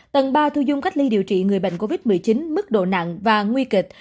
tầng ba thu dung cách ly điều trị người bệnh covid một mươi chín mức độ nặng và nguy kịch